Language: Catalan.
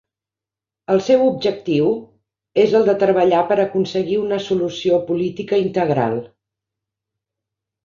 El seu objectiu és el de treballar per aconseguir una solució política integral.